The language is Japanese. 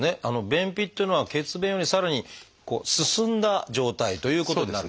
便秘っていうのは血便よりさらに進んだ状態ということになる。